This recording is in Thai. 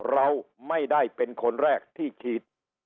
เราไม่ได้เป็นคนแรกที่ฉีด